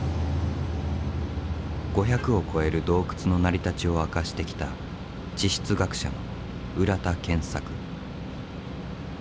５００を超える洞窟の成り立ちを明かしてきた地質学者の浦田健作。